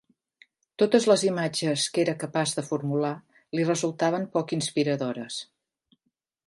Totes les imatges que era capaç de formular li resultaven poc inspiradores.